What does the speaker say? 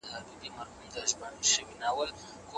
که مجازي زده کړه وي، د تعلیمي سرچینو شریکول اسانه کېږي.